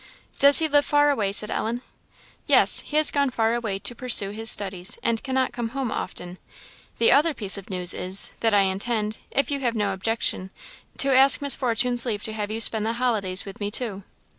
"Does he live far away?" said Ellen. "Yes he has gone far away to pursue his studies, and cannot come home often. The other piece of news is, that I intend, if you have no objection, to ask Miss Fortune's leave to have you spend the holidays with me too."